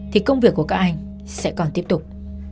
thì công việc của các anh sẽ còn tiếp tục